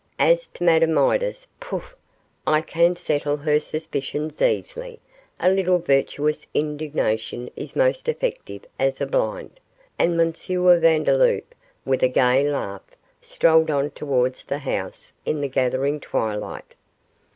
'As to Madame Midas pouf! I can settle her suspicions easily; a little virtuous indignation is most effective as a blind;' and M. Vandeloup, with a gay laugh, strolled on towards the house in the gathering twilight.